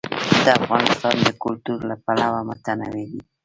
افغانستان د کلتور له پلوه متنوع دی.